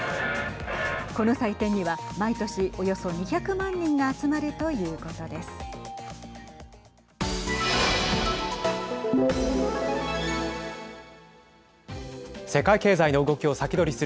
この祭典には毎年およそ２００万人が集まるということです。